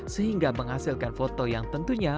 sehingga menghasilkan foto yang tentunya